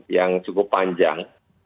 yang cukup panjang